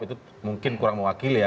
itu mungkin kurang mewakili ya